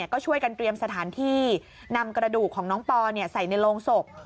ก็ช่วยกันเตรียมสถานที่นำกระดูกของน้องปอใส่ในโรงศพ